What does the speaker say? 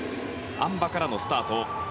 あん馬からのスタート。